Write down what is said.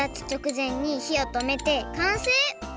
ぜんにひをとめてかんせい！